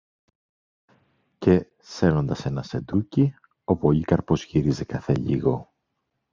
Και, σέρνοντας ένα σεντούκι, ο Πολύκαρπος γύριζε κάθε λίγο